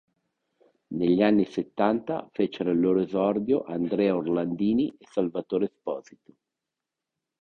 Negli anni settanta fecero il loro esordio Andrea Orlandini e Salvatore Esposito.